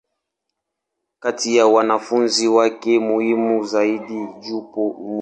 Kati ya wanafunzi wake muhimu zaidi, yupo Mt.